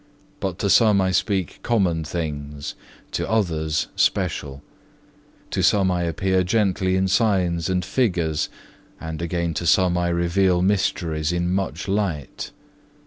But to some I speak common things, to others special; to some I appear gently in signs and figures, and again to some I reveal mysteries in much light.